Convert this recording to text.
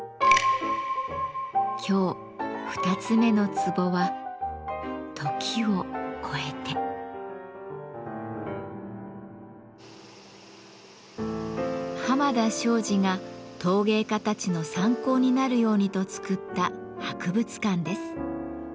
今日二つ目のツボは濱田庄司が陶芸家たちの参考になるようにと作った博物館です。